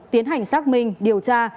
tiến hành xác minh điều tra